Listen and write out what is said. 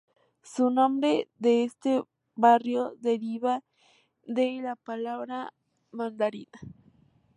Su nombre de este barrio deriva de la palabra "Mandarín".